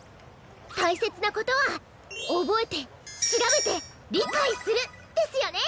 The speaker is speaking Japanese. たいせつなことはおぼえてしらべてりかいする。ですよね！